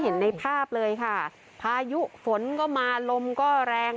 เห็นในภาพเลยค่ะพายุฝนก็มาลมก็แรง